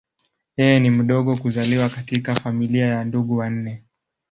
Yeye ni mdogo kuzaliwa katika familia ya ndugu wanne.